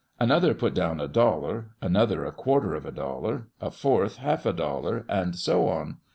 Another put down a dollar, another a quarter of a dollar, a fourth ialf a dollar, and so on.